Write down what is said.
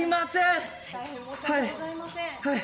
はいはい大変申し訳ございません